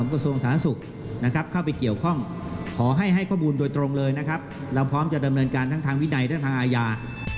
เราพร้อมจะทำเนินการทั้งทางวินัยทั้งทางอาญา